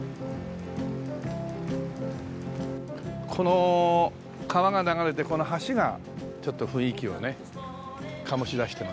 この川が流れてこの橋がちょっと雰囲気をね醸し出してますもんね。